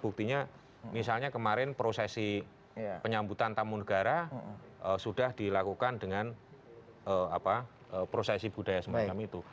buktinya misalnya kemarin prosesi penyambutan tamu negara sudah dilakukan dengan prosesi budaya semacam itu